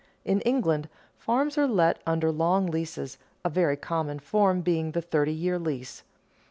_ In England farms are let under long leases, a very common form being the thirty year lease.